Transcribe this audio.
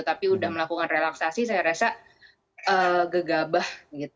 tapi udah melakukan relaksasi saya rasa gegabah gitu